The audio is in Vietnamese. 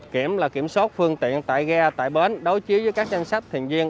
kiểm là kiểm soát phương tiện tại ghe tại bến đối chiếu với các danh sách thuyền viên